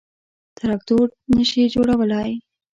_تراکتور نه شي جوړولای.